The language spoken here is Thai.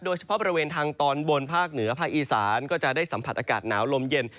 โดยเฉพาะบริเวณทางตอนบนภาคเหนือภาคอีสานก็จะได้สัมผัสอากาศหนาวลมเย็น